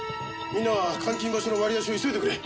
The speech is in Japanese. みんなは監禁場所の割り出しを急いでくれ！